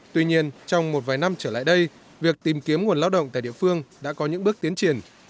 tuy nhiên trong một vài năm trở lại đây việc tìm kiếm nguồn lao động tại địa phương đã có những bước tiến triển